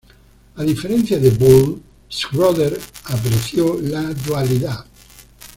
A diferencia de Boole, Schröder apreció la dualidad.